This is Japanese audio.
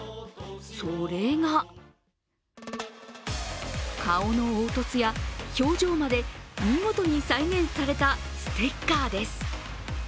それが顔の凹凸や表情まで見事に再現されたステッカーです。